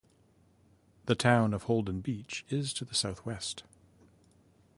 The town of Holden Beach is to the southwest.